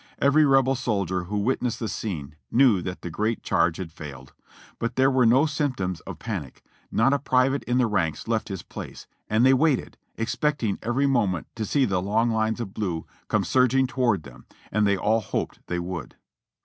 Every Rebel soldier who witnessed the scene knew that the great charge had failed ; but there were no symptoms of panic ; not a private in the ranks left his place, and they waited, expecting every moment to see the long lines of blue come surging toward them, and they all hoped they would.